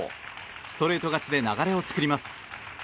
ストレート勝ちで流れを作ります。